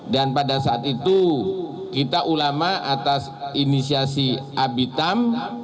dan pada saat itu kita ulama atas inisiasi abitam